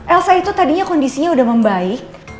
elsa itu tadinya kondisinya sudah membaik